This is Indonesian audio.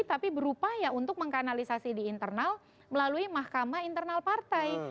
tapi berupaya untuk mengkanalisasi di internal melalui mahkamah internal partai